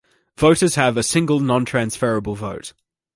Voters have a single non-transferable vote.